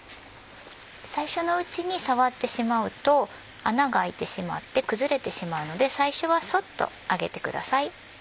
最初のうちに触ってしまうと穴が開いてしまって崩れてしまうので最初はそっと揚げてください。